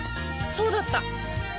そうだった！